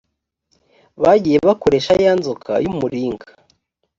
bagiye bakoresha ya nzoka y umuringa